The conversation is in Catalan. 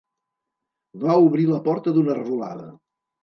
Va obrir la porta d'una revolada.